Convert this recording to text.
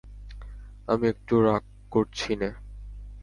আমি একটুও রাগ করছি নে।